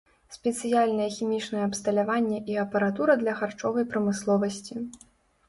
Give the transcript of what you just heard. Спецыяльнае хімічнае абсталяванне і апаратура для харчовай прамысловасці.